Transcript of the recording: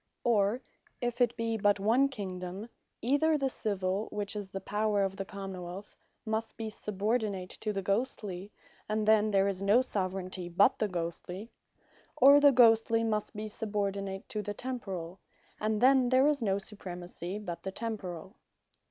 Or, if it be but one Kingdome, either the Civill, which is the Power of the Common wealth, must be subordinate to the Ghostly; or the Ghostly must be subordinate to the Temporall and then there is no Supremacy but the Temporall.